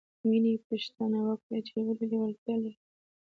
مینې پوښتنه وکړه چې ولې لېوالتیا لرې